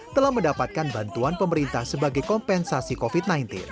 telah mendapatkan bantuan pemerintah sebagai kompensasi covid sembilan belas